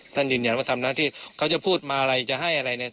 ท่านยืนยันว่าทำหน้าที่เขาจะพูดมาอะไรจะให้อะไรเนี่ย